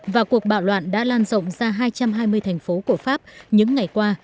và cuộc bạo loạn đã lan rộng ra hai trăm hai mươi thành phố của pháp những ngày qua